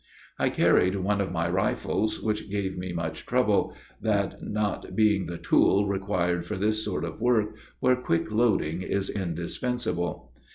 I carried one of my rifles, which gave me much trouble, that not being the tool required for this sort of work, where quick loading is indispensable.